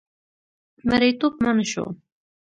مریتوب منع شو.